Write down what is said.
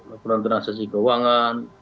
laporan transaksi keuangan